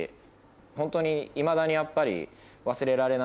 ホントにいまだにやっぱり。